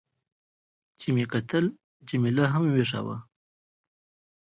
چې مې کتل، جميله هم وېښه وه.